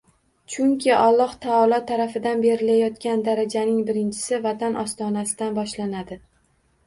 Chunki Alloh Taolo tarafidan berilayotgan darajaning birinchisi vatan ostonasidan boshlanadi